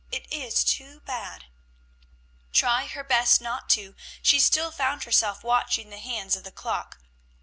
It's too bad!" Try her best not to, she still found herself watching the hands of the clock.